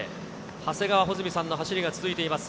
長谷川穂積さんの走りが続いています。